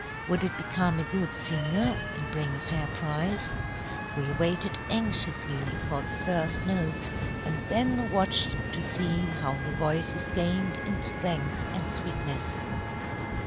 Would it become a good singer and bring a fair price? We waited anxiously for the first notes, and then watched to see how the voices gained in strength and sweetness.